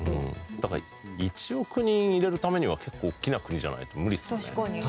だから１億人いれるためには結構大きな国じゃないと無理ですよね。